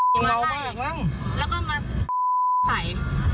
มาให้แล้วก็มาใส่